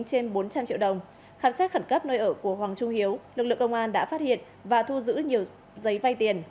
trên bốn trăm linh triệu đồng khám xét khẩn cấp nơi ở của hoàng trung hiếu lực lượng công an đã phát hiện và thu giữ nhiều giấy vay tiền